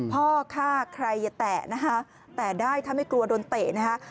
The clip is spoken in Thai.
พ่อฆ่าใครอย่าแตะนะคะแตะได้ถ้าไม่กลัวโดนเตะนะคะ